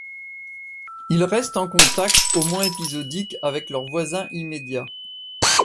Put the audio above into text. Ils restent en contact, au moins épisodique, avec leurs voisins immédiats.